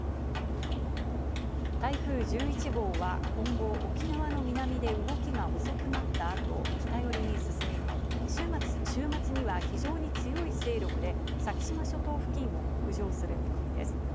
台風１１号は今後、沖縄の南で動きが遅くなったあと北寄りに進み、週末には非常に強い勢力で先島諸島付近を北上する見込みです。